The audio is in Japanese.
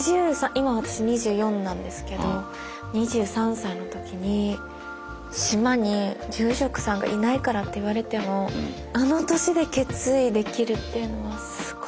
今私２４なんですけど２３歳の時に島に住職さんがいないからって言われてもあの年で決意できるっていうのはすごい。